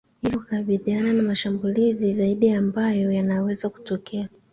ili kukabiliana na mashambulizi zaidi ambayo yanaweza kutokea